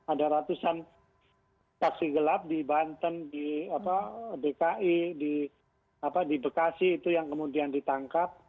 ada ratusan taksi gelap di banten di dki di bekasi itu yang kemudian ditangkap